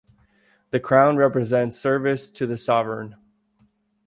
The Crown represents service to the Sovereign.